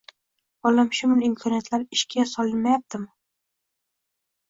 olamshumul imkoniyatlar ishga solinmayapti?